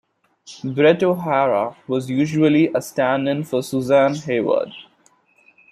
Brett O'Hara was usually a stand-in for Susan Hayward.